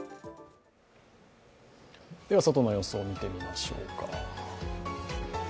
では外の様子を見てみましょうか。